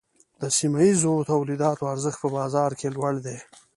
د سیمه ییزو تولیداتو ارزښت په بازار کې لوړ دی۔